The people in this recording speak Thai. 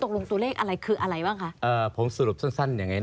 ก็เท่านั้นเอง